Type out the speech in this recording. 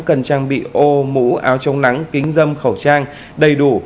cần trang bị ô mũ áo chống nắng kính dâm khẩu trang đầy đủ